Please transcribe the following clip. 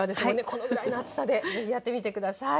このぐらいの厚さで是非やってみて下さい。